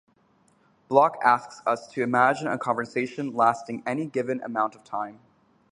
Block asks us to imagine a conversation lasting any given amount of time.